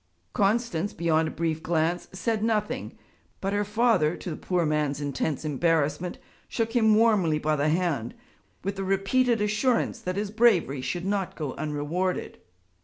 Constance, beyond a brief glance, said nothing; but her father, to the poor man's intense embarrassment, shook him warmly by the hand with the repeated assurance that his bravery should not go unrewarded.